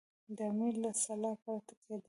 د امیر له سلا پرته کېدلې.